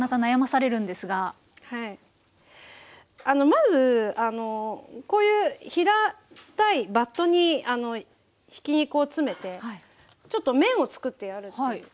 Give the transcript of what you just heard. まずこういう平たいバットにひき肉を詰めてちょっと面を作ってやるという。